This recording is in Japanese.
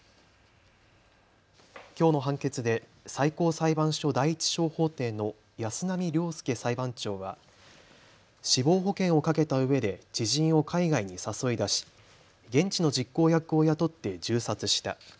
きょうの判決で最高裁判所第１小法廷の安浪亮介裁判長は死亡保険をかけたうえで知人を海外に誘い出し現地の実行役を雇って銃殺した。